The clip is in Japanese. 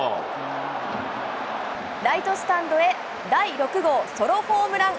ライトスタンドへ第６号ソロホームラン。